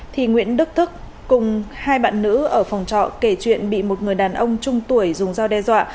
thì nguyễn đức cùng hai bạn nữ ở phòng trọ kể chuyện bị một người đàn ông trung tuổi dùng dao đe dọa